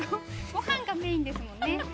ごはんがメインですもんね。